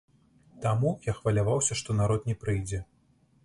Таму, я хваляваўся, што народ не прыйдзе.